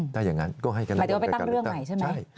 หมายถึงว่าไปตั้งเรื่องใหม่ใช่ไหม